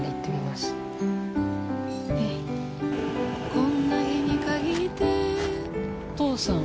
こんな日に限って、お父さん？